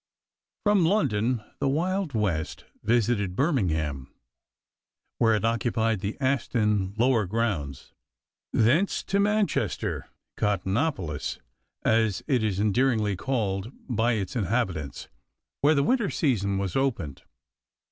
From London the Wild West visited Birmingham, where it occupied the Aston Lower Grounds; thence to Manchester "Cottonopolis," as it is endearingly called by its inhabitants where the winter season was opened.